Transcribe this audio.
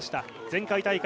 前回大会